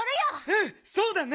うんそうだね！